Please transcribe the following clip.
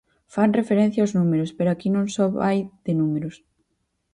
Fan referencia aos números, pero aquí non só vai de números.